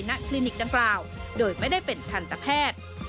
คลินิกดังกล่าวโดยไม่ได้เป็นทันตแพทย์